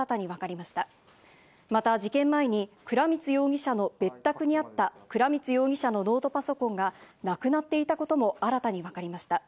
また事件前に倉光容疑者の別宅にあった倉光容疑者のノートパソコンがなくなっていたことも新たに分かりました。